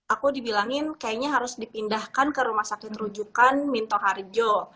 aku dibilangin kayaknya harus dipindahkan ke rumah sakit rujukan minto harjo